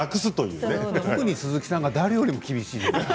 特に鈴木さんは誰よりも厳しいですよね。